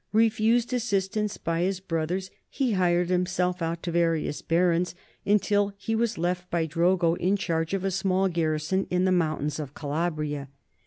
Refused as sistance by his brothers, he hired himself out to various barons until he was left by Drogo in charge of a small garrison in the mountains of Calabria.